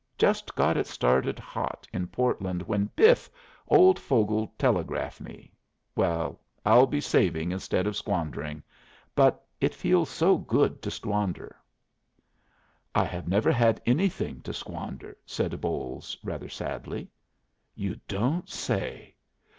Just got it started hot in Portland, when biff! old Vogel telegraphs me. Well, I'll be saving instead of squandering. But it feels so good to squander!" "I have never had anything to squander," said Bolles, rather sadly. "You don't say!